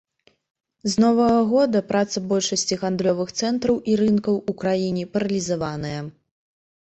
З новага года праца большасці гандлёвых цэнтраў і рынкаў у краіне паралізаваная.